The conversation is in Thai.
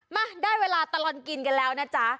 มาได้เวลาตลอดกินกันแล้วนะจ๊ะ